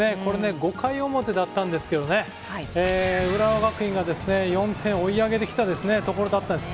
５回表だったんですけど、浦和学院が４点を追い上げてきたところです。